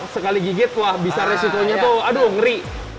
sekali gigit wah bisa resikonya tuh aduh ngeri